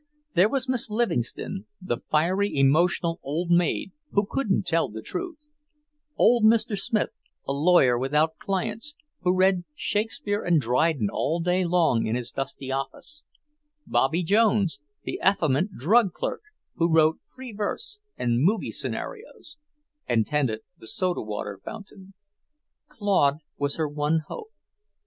There was Miss Livingstone, the fiery, emotional old maid who couldn't tell the truth; old Mr. Smith, a lawyer without clients, who read Shakespeare and Dryden all day long in his dusty office; Bobbie Jones, the effeminate drug clerk, who wrote free verse and "movie" scenarios, and tended the sodawater fountain. Claude was her one hope.